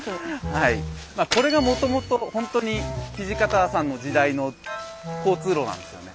はいこれがもともとほんとに土方さんの時代の交通路なんですよね。